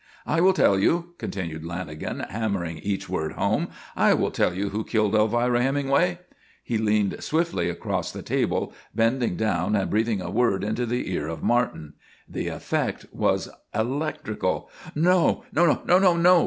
_ "I will tell you," continued Lanagan, hammering each word home; "I will tell you who killed Elvira Hemingway!" He leaned swiftly across the table, bending down and breathing a word into the ear of Martin. The effect was electrical. "No! No! No no no!